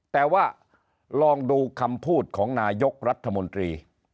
แต่ว่าลองดูคำพูดของนายกรัฐมนตรี